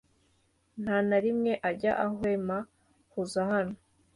nta na rimwe ajya ahwema kuza hano